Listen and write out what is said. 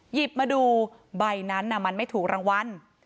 หยิบมาดูใบนั้นมันไม่ถูกรางวัล